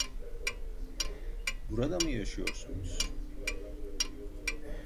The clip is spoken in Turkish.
Burada mı yaşıyorsunuz?